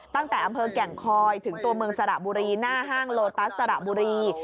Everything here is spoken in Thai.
ตั้งแต่อำเภอแก่งคอยถึงตัวเมืองสระบุรีหน้าห้างโลตัสสระบุรี